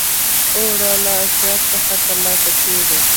اوړه له آسیاب څخه ترلاسه کېږي